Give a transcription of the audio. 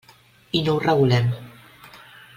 I no ho regulem.